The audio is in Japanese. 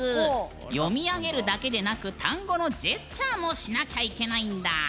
読み上げるだけでなく単語のジェスチャーもしなきゃいけないんだ。